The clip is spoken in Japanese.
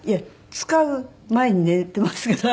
使う前に寝ていますから。